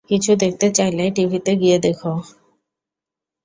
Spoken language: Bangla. কিছু দেখতে চাইলে টিভিতে গিয়ে দেখ!